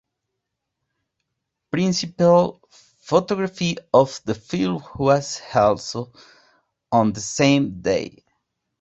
Principal photography of the film was also on the same day.